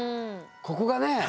ここがね